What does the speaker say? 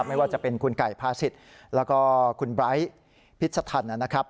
ไม่ว่าจะเป็นคุณไก่พาศิษย์แล้วก็คุณไบร์ทพิชทันนะครับ